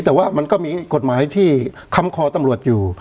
แต่ว่ามันก็มีกฎหมายที่ค้ำคอตำรวจอยู่